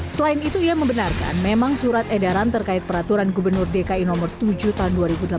selain itu ia membenarkan memang surat edaran terkait peraturan gubernur dki nomor tujuh tahun dua ribu delapan belas